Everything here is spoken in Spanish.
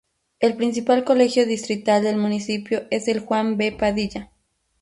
El principal colegio distrital del municipio es el "Juan V. Padilla".